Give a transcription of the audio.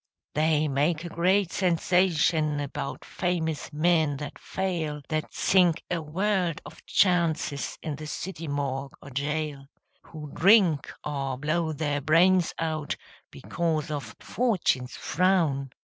They make a great sensation About famous men that fail, That sink a world of chances In the city morgue or gaol, Who drink, or blow their brains out, Because of "Fortune's frown".